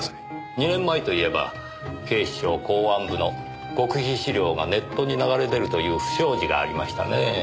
２年前といえば警視庁公安部の極秘資料がネットに流れ出るという不祥事がありましたねぇ。